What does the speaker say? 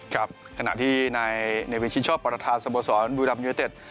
ครับขณะที่ในเนวิชิช่อประธาสมสรรค์บุรัมย์ยูเอเต็ด